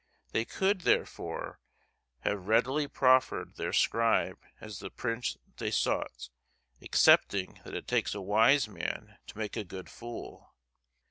They could, therefore, have readily proffered their scribe as the prince des sots, excepting that it takes a wise man to make a good fool.